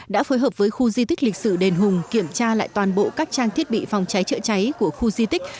đã phối hợp với khu di tích lịch sử đền hùng kiểm tra lại toàn bộ các trang thiết bị phòng cháy chữa cháy của khu di tích